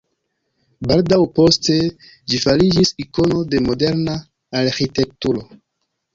Baldaŭ poste ĝi fariĝis ikono de moderna arĥitekturo.